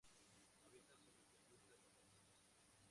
Habita sobre pendientes rocosas.